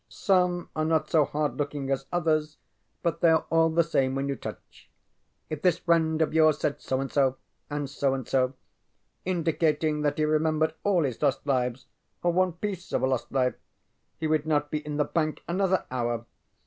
Some are not so hard looking as others, but they are all the same when you touch. If this friend of yours said so and so and so and so, indicating that he remembered all his lost lives, or one piece of a lost life, he would not be in the bank another hour.